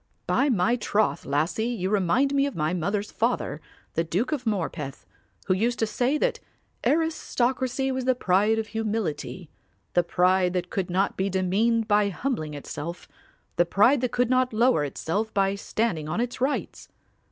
By my troth, lassie, you remind me of my mother's father, the Duke of Morpeth, who used to say that aristocracy was the pride of humility, the pride that could not be demeaned by humbling itself, the pride that could not lower itself by standing on its rights.